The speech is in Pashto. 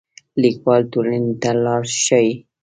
لیکوال ټولنې ته لار ښيي